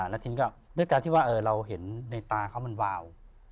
นาธิริย์ก็ดูว่าเราเห็นในตาเขามันวาว